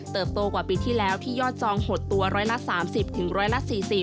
โตกว่าปีที่แล้วที่ยอดจองหดตัวร้อยละ๓๐ถึง๑๔๐